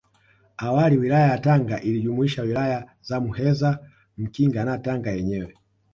Awali Wilaya ya Tanga ilijumuisha Wilaya za Muheza Mkinga na Tanga yenyewe